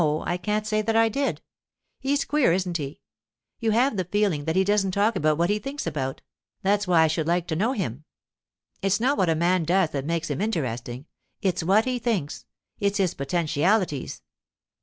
I can't say that I did. He's queer, isn't he? You have the feeling that he doesn't talk about what he thinks about—that's why I should like to know him. It's not what a man does that makes him interesting; it's what he thinks. It's his potentialities.